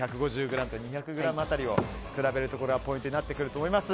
１５０ｇと２００ｇあたりを比べるところがポイントになってくると思います。